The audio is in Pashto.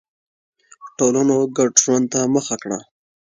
ټولنو ګډ ژوند ته مخه کړه.